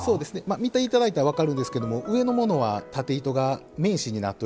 見て頂いたら分かるんですけども上のものは縦糸が綿糸になっております。